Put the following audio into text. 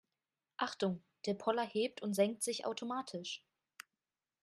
Achtung, der Poller hebt und senkt sich automatisch.